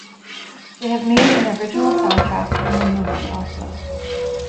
They have made an original soundtrack from the movie also.